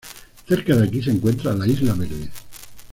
Cerca de aquí se encuentra la Isla Verde.